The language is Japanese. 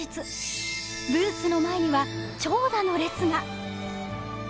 ブースの前には長蛇の列が。